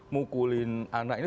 mukulin anak ini